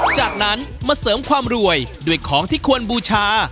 จากนั้นมาเสริมความรวยด้วยของที่ควรบูชา